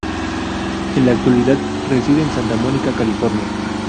En la actualidad reside en Santa Mónica, California.